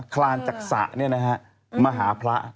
คลานจักษะนี่นะฮะมาหาพระ